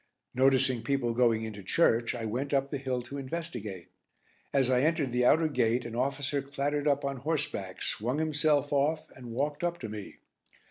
Noticing people going into church, I went up the hill to investigate. As I entered the outer gate an officer clattered up on horseback, swung himself off and walked up to me.